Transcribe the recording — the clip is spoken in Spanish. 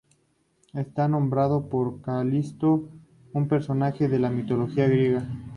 Está nombrado por Calisto, un personaje de la mitología griega.